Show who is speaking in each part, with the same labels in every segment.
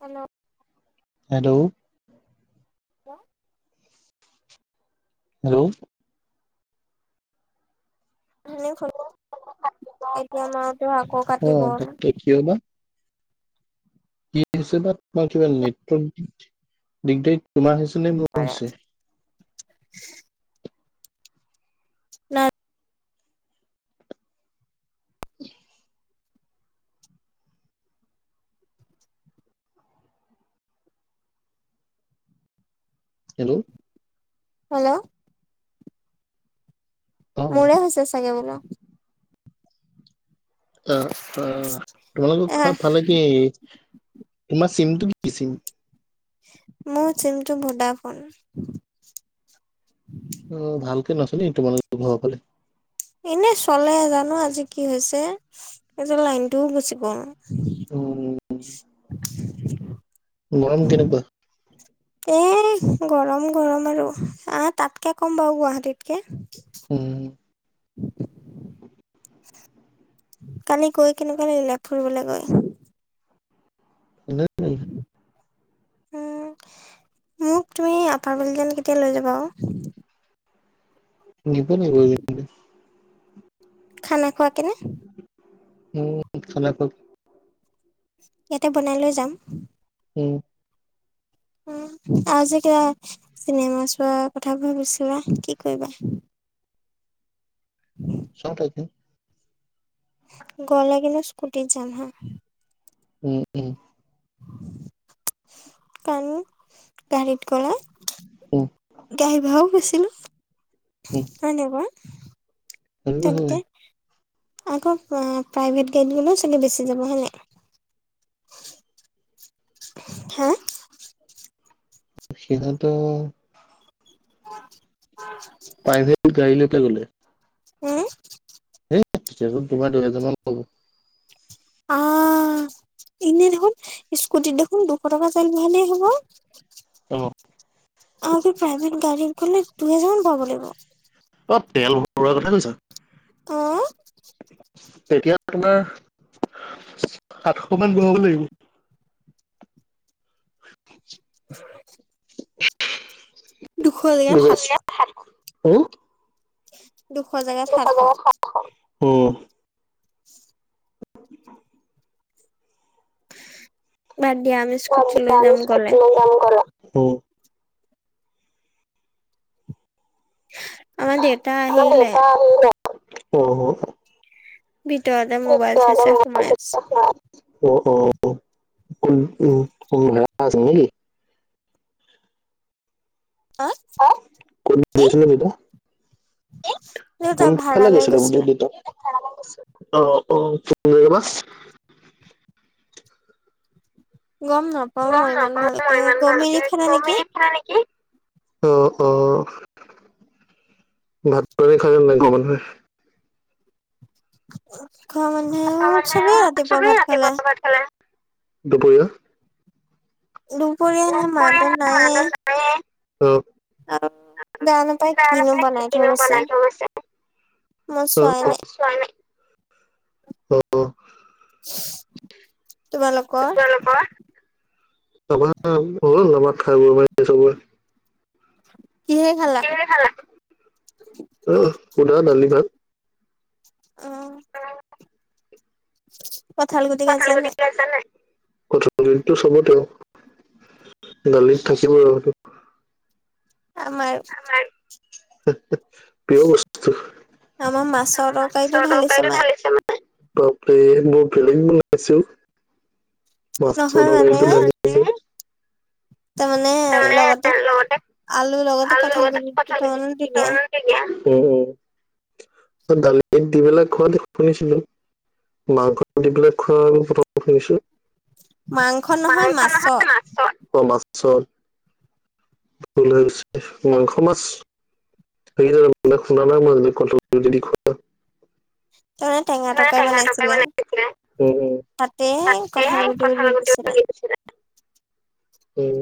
Speaker 1: Hello.
Speaker 2: Hello.
Speaker 1: Hello.
Speaker 2: Hello.
Speaker 1: এনেই গ'ল এতিয়া মাৰতো আকৌ
Speaker 2: অ
Speaker 1: কাটি গ'ল।
Speaker 2: তাকে কিয় বা। কি হৈছে বা তোমাৰ কিবা নেটৱৰ্ক দিগদাৰ তোমাৰ হৈছে নে মোৰ
Speaker 1: পাৰে
Speaker 2: হৈছে।
Speaker 1: [inaudible] নাই
Speaker 2: [unintelligible] হেল্ল'।
Speaker 1: হেল্ল'।
Speaker 2: অ
Speaker 1: মোৰে হৈছে চাগে বোলো।
Speaker 2: অ অ
Speaker 1: এহ
Speaker 2: তোমালোকৰ ফালে কি তোমাৰ চিমটো কি চিম।
Speaker 1: মোৰ চিমটো ভডা ফোন।
Speaker 2: অ ভালকে নচলে তোমলোকৰ ঘৰৰ ফালে।
Speaker 1: এনে চলে জানো আজি কি হৈছে এয লাইনটোও গুচি গ'ল।
Speaker 2: উম।
Speaker 1: [unintelligible]
Speaker 2: গৰম কেনেকুৱা?
Speaker 1: এ গৰম গৰম আৰু আহ তাতকে ক'ম বাৰু গুৱাহাটীতকে।
Speaker 2: উম।
Speaker 1: [unintelligible]
Speaker 2: [unintelligible]
Speaker 1: কালি গৈ কেনেকুৱা লাগিলে ফৰিবলৈ গৈ?
Speaker 2: [unintelligible]
Speaker 1: উম মোক তুমি আপাৰ বুলি যেন কেতিয়া লৈ যাবা আৰু।
Speaker 2: নিব নিব।
Speaker 1: খানা খোৱা কেনে।
Speaker 2: উম খানা খোৱাকে।
Speaker 1: ইয়াতে বনাই লৈ যাম।
Speaker 2: উম।
Speaker 1: উম আজি কিবা চিনেমা চোৱা কথাবোৰ ভাবিছিলা কি কৰিবা?
Speaker 2: চাও তাতে।
Speaker 1: গ'লে কেনে স্কুটিত জাম হা।
Speaker 2: উম উম।
Speaker 1: কাৰণ গাড়ীত গ'লে।
Speaker 2: উম।
Speaker 1: গাড়ী ভাড়াও বেছি লয়
Speaker 2: উম
Speaker 1: হয় নে বাও।
Speaker 2: সেইটো হয়
Speaker 1: তেনেকে আকৌ প্ৰাইভেট গাড়ীত গ'লে চলি বেছি যাব হয় নে নাই। হা।
Speaker 2: সিহঁতো।
Speaker 1: [unintelligible]
Speaker 2: প্ৰাইভেট গাড়ী লৈ গ'লে।
Speaker 1: উম।
Speaker 2: সেই তোমাৰ দুহেজাৰ মান। ল'ব
Speaker 1: অঁ এনে দেখোন স্কুটিত দেখোন দুশ টকা তেল ভৰালেই হ'ব।
Speaker 2: অ
Speaker 1: আৰু কি প্ৰাইভেট গাড়ী গ'লে দুইহেজাৰ মান ভৰাব লাগিব।
Speaker 2: অ তেল ভৰোৱা কথা কৈছা।
Speaker 1: উম।
Speaker 2: তেতিয়া তোমাৰ সাতশ মান ভৰাব লাগিব। [inaudible]
Speaker 1: [inaudible] দুশৰ জেগত সাতশ
Speaker 2: অও।
Speaker 1: দুশ জেগাত সাতশ।
Speaker 2: অ।
Speaker 1: [inaudible] বাদ দিয়া আমি চ।
Speaker 2: হয়।
Speaker 1: [inaudible]
Speaker 2: মোৰ
Speaker 1: আহিলে
Speaker 2: দেউতা আহিল নাই, অ।
Speaker 1: ভিতৰতে মোবাইল চাই চাই সোমাই আছে।
Speaker 2: অঁ, অ, কোন ৰাজ নেকি।
Speaker 1: অ
Speaker 2: হা কোন
Speaker 1: কি
Speaker 2: আহিছে নে দেউতা, এ,
Speaker 1: দেউতা ভাড়া
Speaker 2: কোনফালে
Speaker 1: লৈ
Speaker 2: গৈছিলে বোলো দেউতা। অ অ ক জ বা।
Speaker 1: গম নাপাওঁ
Speaker 2: গম
Speaker 1: মই ইমান
Speaker 2: নাপাওঁ মই
Speaker 1: ভালকে,
Speaker 2: ইমান
Speaker 1: গম
Speaker 2: ভালকে,
Speaker 1: এৰি ফালে নেকি।
Speaker 2: কমিলি ফালে নেকি? অ অ ভাত পানী খাই গ'ল নাই ঘৰ মানুহে।
Speaker 1: ঘৰ মানুহে
Speaker 2: ঘৰৰ
Speaker 1: চবেই
Speaker 2: মানুহে
Speaker 1: ৰাতিপুৱা ভাত খালে।
Speaker 2: ভাত খালে। দূপৰীয়া।
Speaker 1: দুপৰীয়াে মানুহ নাইয়ে।
Speaker 2: উম, অ।
Speaker 1: অ, জানো পাই
Speaker 2: দাইল
Speaker 1: কিনো
Speaker 2: অকণমান
Speaker 1: বনাই থৈ
Speaker 2: কিনো
Speaker 1: গৈছে।
Speaker 2: বনাই থৈ গৈছে।
Speaker 1: মই
Speaker 2: অ
Speaker 1: চোৱাই নাই
Speaker 2: অ অ।
Speaker 1: [inaudible] তোমালোকৰ
Speaker 2: অ নবাত খাই ব চবৰে।
Speaker 1: [inaudible]
Speaker 2: কিহেৰে খালা। অঁ, সুধা দালি ভাত।
Speaker 1: অঁ। কথাত।
Speaker 2: কঁঠালৰ গুটি কেইটা আছে নাই? কঠ। কঁঠালৰ গুটিটো চবতে দালিত থাকিব আৰু।
Speaker 1: আমাৰ।
Speaker 2: হ' হ।
Speaker 1: আম মাছৰ তৰকাৰীকে ঢালিছে মাই।
Speaker 2: বাপৰে বৰ বলেগ বনাইছে,
Speaker 1: নহয়
Speaker 2: মাছৰ
Speaker 1: মানে
Speaker 2: তৰকাৰীত। উম।
Speaker 1: তাৰমানে লগতে আলু, লগতে
Speaker 2: ভাল
Speaker 1: কঁঠাল গুটি
Speaker 2: কঁঠাল
Speaker 1: দুটা মানো
Speaker 2: গুটি
Speaker 1: দিলে।
Speaker 2: কেইটামানো উম, উম, দালি দি পেলাই খোৱা দে, শুনিছিলো। মাংসত দি পেলাই খোৱা প্ৰথম শুনিছো।
Speaker 1: মাংস নহয়
Speaker 2: মাংস
Speaker 1: মাছত।
Speaker 2: নহয় মাছত। অ', মাছত ভুল হৈ গৈছে, মাংস মাছ [unintelligible] শুনা নাই মই কঁঠালৰ গুটি দি খোৱা।
Speaker 1: তাৰমানে টেঙা তৰকাৰি
Speaker 2: টকাই
Speaker 1: বনাইছিলে।
Speaker 2: মানে দিছিলে উম উম
Speaker 1: তাতে, এই
Speaker 2: তাতে
Speaker 1: কঠাল গুতি
Speaker 2: কথা
Speaker 1: দি
Speaker 2: লগতে
Speaker 1: দিছিলে।
Speaker 2: উম,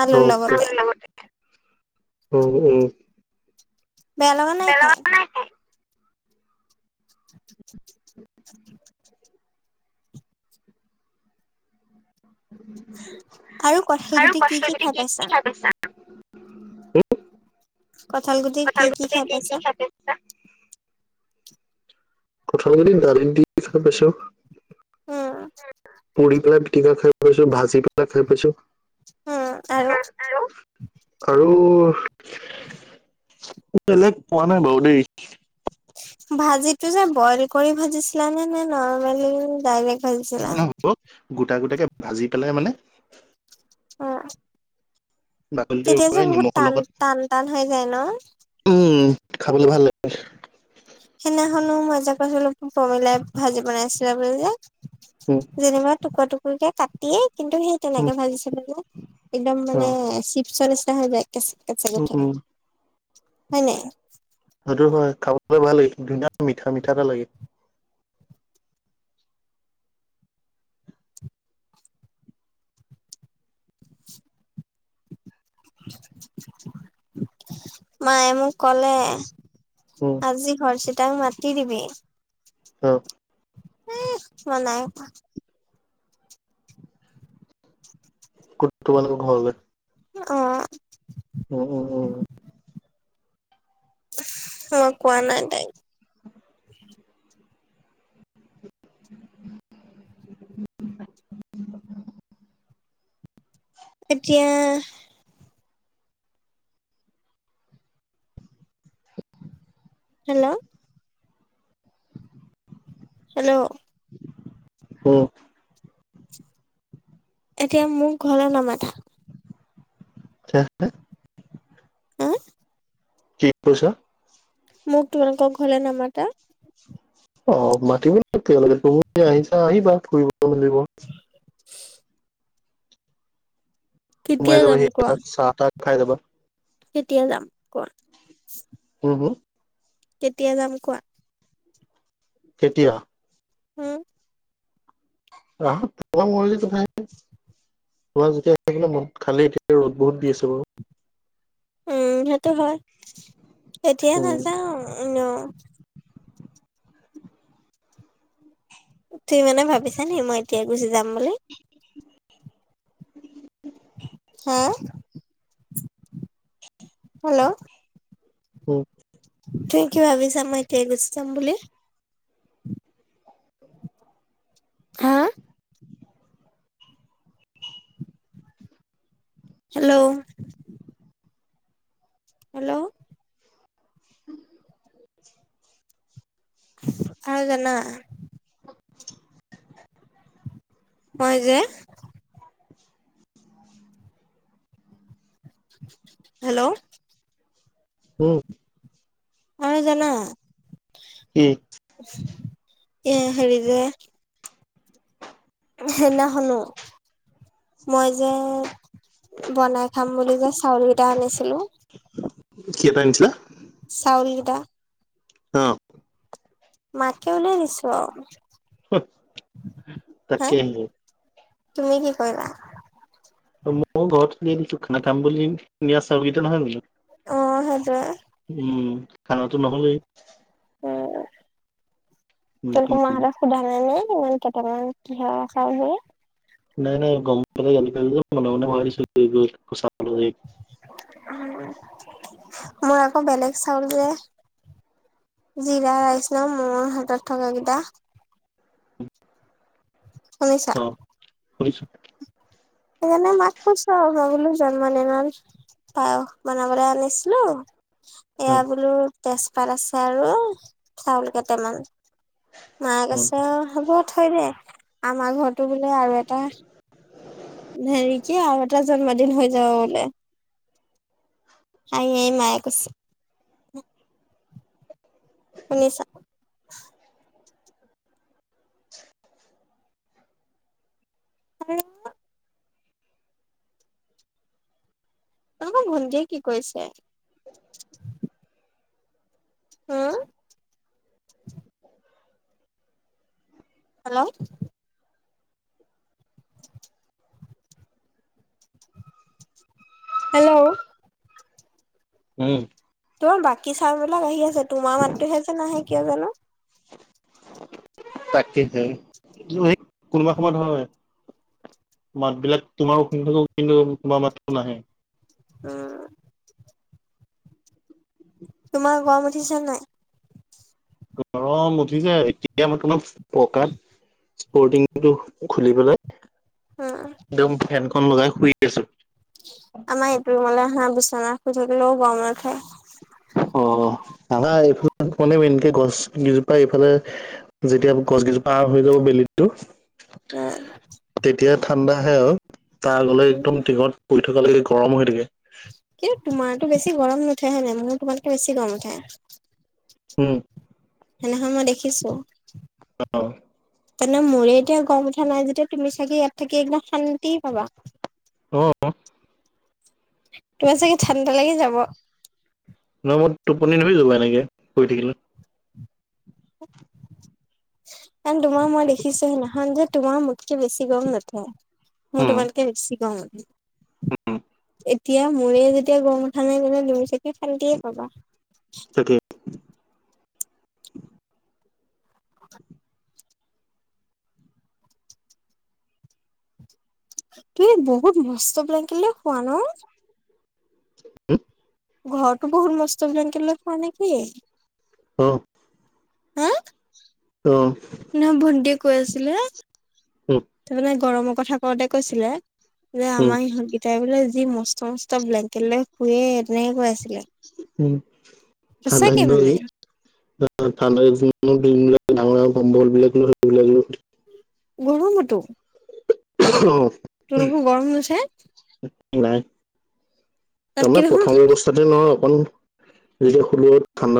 Speaker 1: আলুৰ
Speaker 2: হওঁক দে।
Speaker 1: লগতে
Speaker 2: উম, উম।
Speaker 1: বেয়া লগা নাই খাই।
Speaker 2: পেলোৱা নাই খাই
Speaker 1: [inaudible] আৰু কঠাল গুটি কি কি খাই পাইছা? কঁঠাল গুটি কি
Speaker 2: কঠাল গুতি কি কি
Speaker 1: পাইছা
Speaker 2: খাই পাইছা। কঠাল গুটি দালিত দি খাই পাইছোঁ,
Speaker 1: উম
Speaker 2: পুৰি পেলাই টিকা খাই পাইছোঁ, ভাজি পেলাই খাই পাইছোঁ।
Speaker 1: উম আৰু
Speaker 2: উম, আৰু বেলেগ পোৱা নাই বাৰু দেই।
Speaker 1: ভাজিটো যে বইল কৰি ভাজিছিলা নে নৰ্মেলি ডাইৰেক্ট ভাজিছিলা
Speaker 2: নহয়, নহয় বুলো গোটা, গোটাকে ভাজি পেলাই মানে
Speaker 1: অ',
Speaker 2: বাকলিটো
Speaker 1: তেতিয়া যে
Speaker 2: এৰুৱাই
Speaker 1: বহুত
Speaker 2: নিমখৰ
Speaker 1: টান,
Speaker 2: লগত
Speaker 1: টান, টান হৈ যায় ন?
Speaker 2: উম, খাবলৈ ভাল লাগে।
Speaker 1: সেইদিনাখনো মই যে কইছিলো পমিলাই ভাজি বনাইছিলা বুলি যে।
Speaker 2: উম
Speaker 1: যেনিবা, টুকুৰা টুকুৰকে কাটিয়েই কিন্তু, সেই
Speaker 2: উম
Speaker 1: তেনেকে ভাজিছিলোঁ যে একদম
Speaker 2: অ
Speaker 1: মানে, চিপচ নিছিনা হৈ যায়। কে-কেচঠ
Speaker 2: উম উম
Speaker 1: হয় নাই [unintelligible]
Speaker 2: সেইটো হয়, খাবলৈ ভাল লাগে ধুনীয়া মিঠা, মিঠা এটা লাগে।
Speaker 1: মায়ে মোক কলে।
Speaker 2: উম
Speaker 1: আজি হৰচিতাক মাতি দিবি।
Speaker 2: অ'।
Speaker 1: এহ মই নাই কোৱা।
Speaker 2: ক'ত তোমালোক ঘৰলৈ?
Speaker 1: অ'।
Speaker 2: উম, উম, উম।
Speaker 1: মই কোৱা নাই তাইক।
Speaker 2: [inaudible] [unintelligible]
Speaker 1: এতিয়া হেল্ল। হেল্ল।
Speaker 2: হুম।
Speaker 1: এতিয়া মোক ঘৰলৈ নামাতা?
Speaker 2: [unintelligible]
Speaker 1: হুম।
Speaker 2: কি কৈছা?
Speaker 1: মোৰ তোমালোকৰ ঘৰলে নামাটা?
Speaker 2: অ' মাতিব তেওঁলোকেও আহিছে। [unintelligible] তুম আহিছা আহিবা ফুৰিব মেলিব সোমাই
Speaker 1: কেতিয়া যাম
Speaker 2: যাবাহি
Speaker 1: কোৱা
Speaker 2: এপাক চাহ তাহ খাই যাবা।
Speaker 1: কেতিয়া যাম কোৱা?
Speaker 2: হুম হুম?
Speaker 1: কেতিয়া যাম কোৱা?
Speaker 2: কেতিয়া?
Speaker 1: উম।
Speaker 2: ৰা মৰিল কথ [unintelligible] তোমাৰ যেতিয়া আহিবলে মন খালেই এতিয়া ৰ'দ বহুত দি আছে বাৰু।
Speaker 1: উম সেইটো হয়। এতিয়া
Speaker 2: উম
Speaker 1: নাযাওঁ এনেও। তুমি মানে ভাবিছা নি মই এতিয়া গুচি যাম বুলি? হুম, হেল্ল'?
Speaker 2: উম।
Speaker 1: তুমি কিয় ভাবিছা মই এতিয়াই গুচি যাম বুলি? হা? হেল্ল'? হেল্ল'?
Speaker 2: [inaudible]
Speaker 1: আৰু জানা মই যে
Speaker 2: [inaudible]
Speaker 1: হেল্ল'?
Speaker 2: উম।
Speaker 1: আৰু জানা!
Speaker 2: কি?
Speaker 1: এ হেৰী যে সেইদিনা খনো মই যে বনাই খাম বুলি কৈ চাউল কেইটা আনিছিলো,
Speaker 2: কি এটা আনিছিলা?
Speaker 1: চাউল কিতা।
Speaker 2: অ।
Speaker 1: মাকে উলিয়াই দিছো আও।
Speaker 2: হুহ তাকে হে।
Speaker 1: তুমি কি কৰিবা?
Speaker 2: মই ঘৰত দি দিছো, খানা থাম বুলি নিয়া চাউল কেইতা নহয় বোলো।
Speaker 1: অ সেইটোৱে।
Speaker 2: উম, খানাটো নহলেই।
Speaker 1: উম, তোমালোকৰ মা [unintelligible] সোধা নাই নে ইমান কেইটামান কিহৰ খাই হে?
Speaker 2: নাই নাই গম পালেহে গালি পাৰিব, মনে মনে ভৰাই দিছো [unintelligible]
Speaker 1: উম। মোৰ আকৌ বেলেগ চাউল যে। জিৰা ৰাইচ ন' মোৰ হাতত থকা কেইটা? শুনিছা
Speaker 2: অ, হয় ছাগে।
Speaker 1: সেইকাৰণে মাক কৈছো মই বোলো জাম ইমন। [unintelligible] পায়স বনাবলে আনিছিলো।
Speaker 2: উম
Speaker 1: এয়া বোলো তেজপাত আছে আৰু চাউল কেইটামান। মা
Speaker 2: উম
Speaker 1: কৈছে হ'ব থৈ দে আমাৰ ঘৰতো বোলে আৰু এটা হেৰি কি আৰু এটা জন্মদিন হৈ যাব বোলে। হাঁহি হাঁহি মায়ে কৈছে। শুনিছা? সঁচাকে কোৱা তোমালোকৰ ভণ্টিয়ে কি কৰিছে? উম
Speaker 2: [unintelligible]
Speaker 1: হেল্ল' চিক চিক হেল্ল
Speaker 2: উম
Speaker 1: তোমাৰ বাকী চাউণ্ডবিলাক আহি আছে তোমাৰ মাতোহে যে নাহে কিয় জানো।
Speaker 2: তাকেইতো এইটো এক কোনোবা সময়ত হয়। মাতবিলাক তোমাৰো শুনি থাকো কিন্তু তোমাৰ মাততো নাহে।
Speaker 1: উম তোমাৰ গৰম উঠিছে নাই?
Speaker 2: গৰম উঠিছে এতিয়া মই তোমাৰ পকাত স্পৰ্টিংটো খুলি পেলাই
Speaker 1: উম
Speaker 2: একদম ফেনখন লগাই শুই আছো।
Speaker 1: আমাৰ এইটো ৰুমলে আহা বিচনাত শুই থাকিলেও গৰম নুঠে।
Speaker 2: অ আমাৰ এইফালে অকনি এনেকে গছ কেইজোপা এইফালে যেতিয়া গছকেইজোপা পাৰ হৈ যাব বেলি টো
Speaker 1: উম
Speaker 2: তেতিয়া ঠাণ্ডা আহে আৰু তাৰ আগলে
Speaker 1: উম
Speaker 2: একদম টিঙত পৰি থকালৈকে গৰম হৈ থাকে।
Speaker 1: কিন্তু তোমাৰতো বেছি গৰম নুঠে হয় নাই মোৰ তোমাতকে বেছি গৰম উঠে।
Speaker 2: উম
Speaker 1: সেনাখন মই দেখিছো।
Speaker 2: অ, অ
Speaker 1: তেনে মোৰে এতিয়া গম উঠা নাই যেতিয়া তুমি চাগে ইয়াত থাকি একদম শান্তি পাবা।
Speaker 2: অ
Speaker 1: তোমাৰ চাগে ঠাণ্ডা লাগি যাব।
Speaker 2: নহয় মোৰ টোপনি ধৰি যাব এনেকে পৰি থাকিলো।
Speaker 1: অ এণ্ড তোমাৰ মই দেখিছো সিদিনাখন যে তোমাৰ মোতকে বেছি গৰম নুঠে। মোৰ তোমাতকে বেছি গৰম লাগে।
Speaker 2: উম
Speaker 1: এতিয়া মোৰে যেতিয়া গৰম উঠা নাই তেনে তুমি চাগে শান্তিয়ে পাবা।
Speaker 2: তাকে
Speaker 1: [unintelligible] তুমি বহুত মস্ত ব্লেংকেট লৈ শুৱা ন।
Speaker 2: হু
Speaker 1: ঘৰতো বহুত মস্ত ব্লেংকেট লৈ শুৱা নে কি?
Speaker 2: অহ'।
Speaker 1: হাঁ?
Speaker 2: অহ'।
Speaker 1: নহয়, ভণ্টিয়ে কৈ আছিলে,
Speaker 2: উম
Speaker 1: তাৰমানে গৰমৰ কথা কওঁতে কৈছিলে- যে
Speaker 2: উম
Speaker 1: আমাৰ ইহঁত কেইটাই বোলে যি মস্ত-মস্ত ব্লেংকেট লৈ শুৱে তেনেকে কৈ আছিলে।
Speaker 2: উমঁ, ঠাণ্ডা
Speaker 1: সঁচাকে মানে
Speaker 2: নি- ঠাণ্ডাৰ দিনত যিমান ডাঙৰ-ডাঙৰ কমবলবিলাক সেইবিলাক
Speaker 1: গৰমতো?
Speaker 2: অঁহ।
Speaker 1: তোমালোকৰ গৰম নুঠে
Speaker 2: নাই,
Speaker 1: তাতকে
Speaker 2: তাৰমানে
Speaker 1: দেখোন
Speaker 2: প্ৰথম অৱস্থাত- তা'তে ন' অকণ যেতিয়া শুলো ঠাণ্ডা